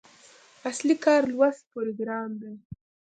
اصلي کار لوست پروګرام دی.